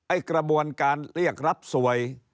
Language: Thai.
กระบวนการเรียกรับสวย